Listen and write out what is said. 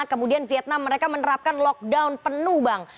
kemudian vietnam mereka menerapkan lockdown penuh bang